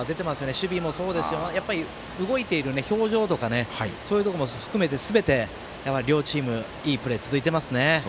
守備もそうですがやっぱり動いている表情とかそういうところも含めてすべて両チームいいプレー続いていますね。